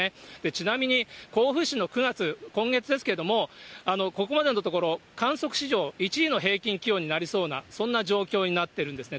ちなみに、甲府市の９月、今月ですけれども、ここまでのところ、観測史上１位の平均気温になりそうな、そんな状況になってるんですね。